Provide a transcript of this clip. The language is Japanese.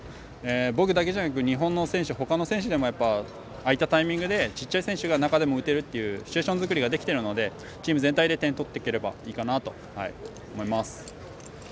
僕だけじゃなくて日本の選手ほかの選手でもああいったタイミングで小さい選手が中でも打てるというシチュエーション作りができてるのでチーム全体で点を取っていければいいかなと思います。